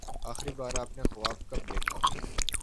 آخری بار آپ نے خواب کب دیکھا؟